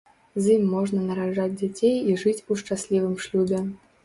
З ім можна нараджаць дзяцей і жыць у шчаслівым шлюбе.